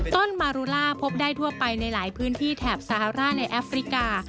ต้นมารุล่าพบได้ทั่วไปในหลายพื้นที่แถบสหร่าในแอฟริกา